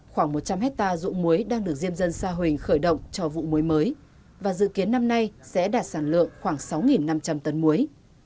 khoảng một trăm linh hectare dụng muối đang được diêm dân sa huỳnh khởi động cho vụ muối mới và dự kiến năm nay sẽ đạt sản lượng khoảng sáu năm trăm linh tấn muối